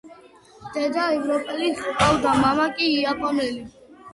დედა ევროპელი ჰყავდა, მამა კი იაპონელი.